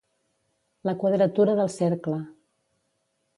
La quadratura del cercle.